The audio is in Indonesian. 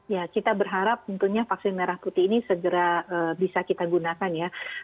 ya kita berharap tentunya vaksin merah putih ini segera bisa kita gunakan ya